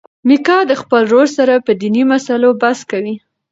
میکا د خپل ورور سره په دیني مسلو بحث کوي.